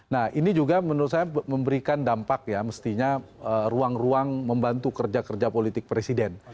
nah ini juga menurut saya memberikan dampak ya mestinya ruang ruang membantu kerja kerja politik presiden